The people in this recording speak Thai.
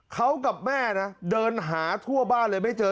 เขากับแม่นะเดินหาทั่วบ้านเลยไม่เจอ